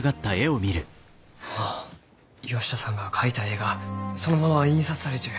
ああ岩下さんが描いた絵がそのまま印刷されちゅう。